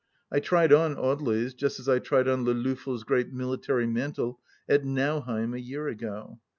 I tried on Audely's, just as I tried on Le Loffel's great military mantle at Nau heim a year ago.